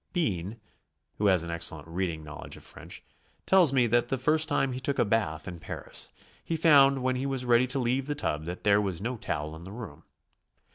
Bean, who has an excellent reading knowledge of French, tells me that the first time he took a bath in Paris, he found when he was ready to leave the tub that there was no towel in the room.